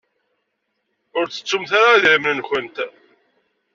Ur ttettumt ara idrimen-nwent.